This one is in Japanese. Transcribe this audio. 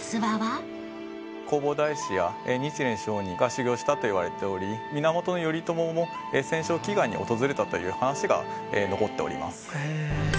弘法大師や日蓮聖人が修行したといわれており源頼朝も戦勝祈願に訪れたという話が残っております。